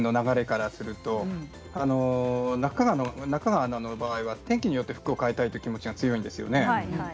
中川アナの場合には天気によって服を変えたいという気持ちが強いんですよね。